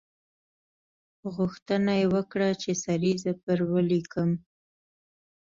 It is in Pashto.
غوښتنه یې وکړه چې سریزه پر ولیکم.